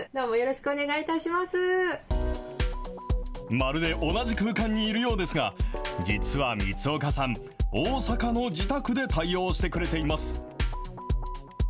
まるで同じ空間にいるようですが、実は光岡さん、大阪の自宅で対応してくれています。